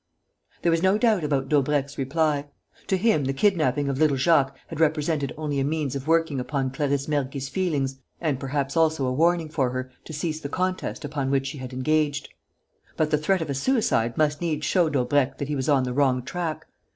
There was no doubt about Daubrecq's reply. To him, the kidnapping of little Jacques had represented only a means of working upon Clarisse Mergy's feelings and perhaps also a warning for her to cease the contest upon which she had engaged. But the threat of a suicide must needs show Daubrecq that he was on the wrong track.